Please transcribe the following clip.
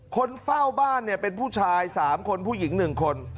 คนเฝ้าบ้านเป็นผู้ชาย๓คนผู้หญิง๑คน